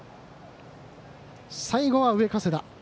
最後は上加世田。